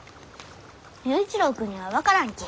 佑一郎君には分からんき。